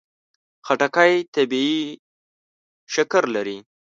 خټکی طبیعي شکر لري.